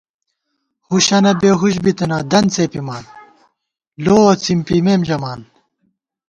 ہُشّنہ بےہُش بِتَنہ، دن څېپِمان، لووَہ څِمپِمېم ژَمان